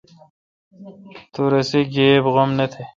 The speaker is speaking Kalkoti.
تو رسے گیب غم نہ تھ۔